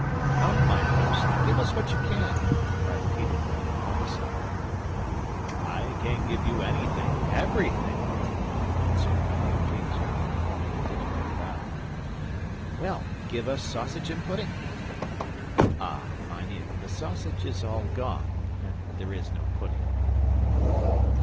"Come, mine host! Give us what you can!" cried Peter rather pompously. "I can give you anything everything," answered Mynheer Kleef, performing a difficult bow. "Well, give us sausage and pudding." "Ah, mynheer, the sausage is all gone. There is no pudding."